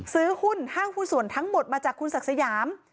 ซื้อหุ้นห้างหุ้นส่วนทั้งหมดมาจากคุณศักดิ์สยาม